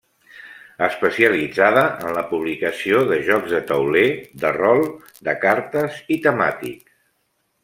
Especialitzada en la publicació de jocs de tauler, de rol, de cartes i temàtics.